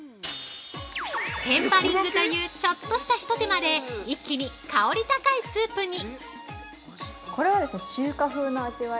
テンパリングというちょっとした一手間で、一気に香り高いスープに！